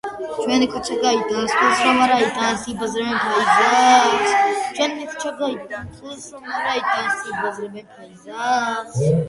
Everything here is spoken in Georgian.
მას ადამიანის გარკვეული გონებრივი პროცესის მონიტორინგი ტვინში სისხლის მოძრაობის გაზომვის საშუალებით შეუძლია.